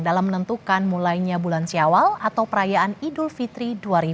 dalam menentukan mulainya bulan syawal atau perayaan idul fitri dua ribu dua puluh